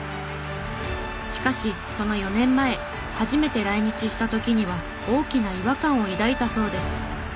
しかしその４年前初めて来日した時には大きな違和感を抱いたそうです。